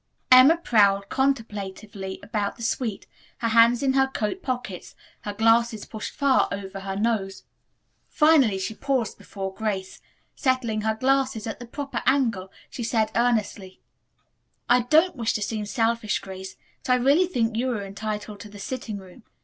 Emma prowled contemplatively about the suite, her hands in her coat pockets, her glasses pushed far over her nose. Finally she paused before Grace. Settling her glasses at their proper angle she said earnestly, "I don't wish to seem selfish, Grace, but really I think you are entitled to the sitting room.